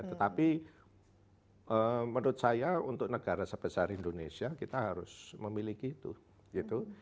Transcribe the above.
tetapi menurut saya untuk negara sebesar indonesia kita harus memiliki itu gitu